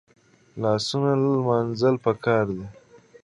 لاسونه لمانځل پکار دي